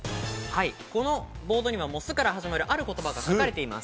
このボードには「ス」から始まるある言葉が書かれています。